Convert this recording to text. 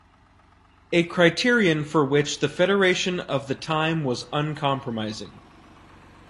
A criterion for which the federation of the time was uncompromising.